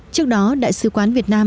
trước đó đại sứ quán việt nam